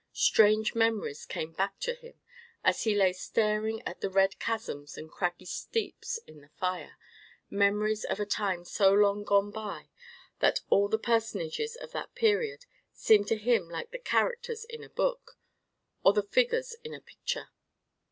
Strange memories came back to him, as he lay staring at the red chasms and craggy steeps in the fire—memories of a time so long gone by, that all the personages of that period seemed to him like the characters in a book, or the figures in a picture.